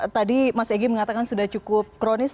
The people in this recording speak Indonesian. tadi mas egy mengatakan sudah cukup kronis